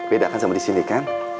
beda kan sama di sini kan